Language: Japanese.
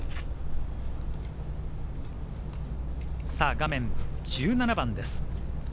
画面は１７番です。